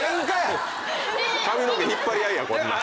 髪の毛引っ張り合いやこんなん。